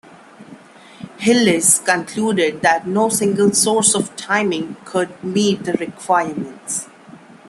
Hillis concluded that no single source of timing could meet the requirements.